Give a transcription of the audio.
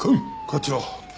課長。